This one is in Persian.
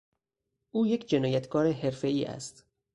او یک جنایتکار حرفهای است.